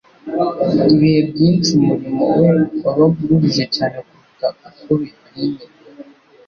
Ibihe byinshi umurimo we wabaga uruhije cyane kuruta uko bikwinye,